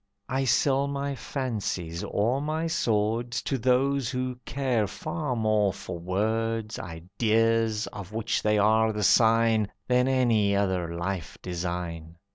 I sell my fancies, or my swords, To those who care far more for words, Ideas, of which they are the sign, Than any other life design.